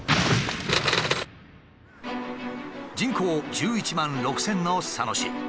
人口１１万６，０００の佐野市。